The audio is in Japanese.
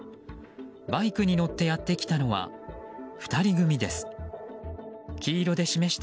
バイクに乗ってやってきたのは２人組です。